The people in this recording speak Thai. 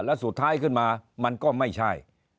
แล้วสุดท้ายขึ้นมามันก็ไม่ใช่